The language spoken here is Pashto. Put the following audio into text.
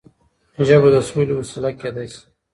ژبه د سولې وسيله کيدای شي.